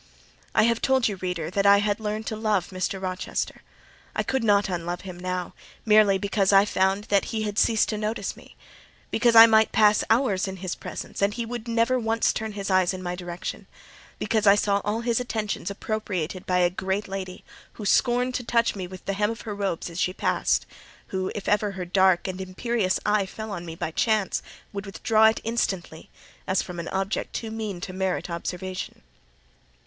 I have told you, reader, that I had learnt to love Mr. Rochester: I could not unlove him now, merely because I found that he had ceased to notice me—because I might pass hours in his presence, and he would never once turn his eyes in my direction—because I saw all his attentions appropriated by a great lady, who scorned to touch me with the hem of her robes as she passed; who, if ever her dark and imperious eye fell on me by chance, would withdraw it instantly as from an object too mean to merit observation.